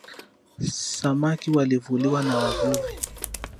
Samaki walivuliwa na wavuvi